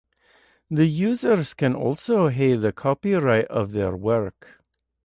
The users can also have the copyright of their work.